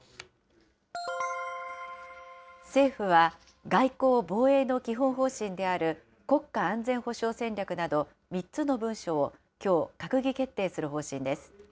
政府は、外交・防衛の基本方針である国家安全保障戦略など、３つの文書をきょう、閣議決定する方針です。